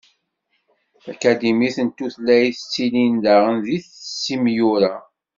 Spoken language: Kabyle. Takadimit n tutlayt ttilin daɣen deg-s imyura.